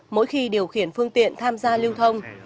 mỗi khi điều khiển phương tiện tham gia lưu thông